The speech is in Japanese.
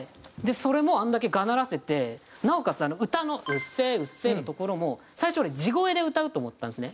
それもあれだけがならせてなおかつ歌の「うっせぇうっせぇ」のところも最初俺地声で歌うと思ったんですね。